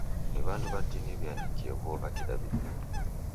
Ni w'andu w'atini w'iandikie vuo kwa Kidaw'ida.